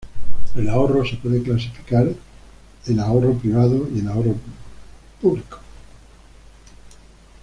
El ahorro se puede clasificar en ahorro privado y en ahorro público.